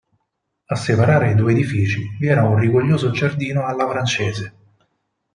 A separare i due edifici vi era un rigoglioso giardino alla francese.